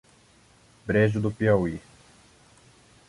Brejo do Piauí